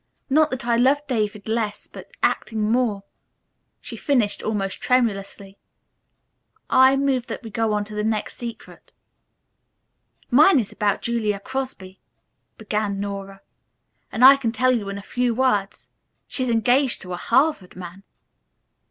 Not that I love David less, but acting more," she finished almost tremulously. "I move that we go on to the next secret." "Mine is about Julia Crosby," began Nora, "and I can tell you in few words. She's engaged to a Harvard man."